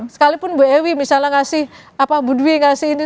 sekalipun bu ewi misalnya ngasih apa bu dwi ngasih ini